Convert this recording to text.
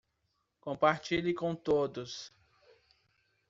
Compartilhe com todos